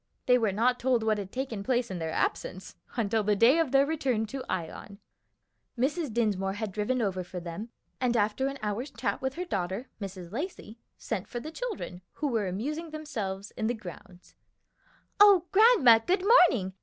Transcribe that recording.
They were not told what had taken place in their absence, until the day of their return to Ion. Mrs. Dinsmore had driven over for them, and after an hour's chat with her daughter, Mrs. Lacey, sent for the children, who were amusing themselves in the grounds. "O grandma, good morning!